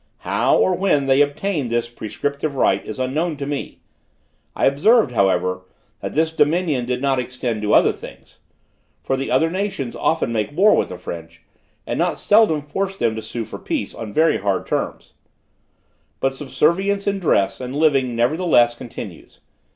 How or when they obtained this prescriptive right is unknown to me. I observed, however, that this dominion did not extend to other things; for the other nations often make war with the French, and not seldom force them to sue for peace on very hard terms; but subservience in dress and living nevertheless continues.